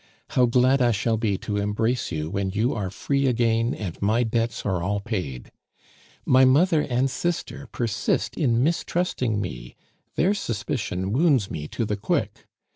How glad I shall be to embrace you when you are free again and my debts are all paid! My mother and sister persist in mistrusting me; their suspicion wounds me to the quick.